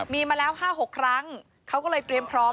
มีมาแล้ว๕๖ครั้งเขาก็เลยเตรียมพร้อม